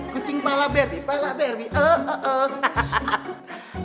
kucing pala berbi pala berbi oh oh oh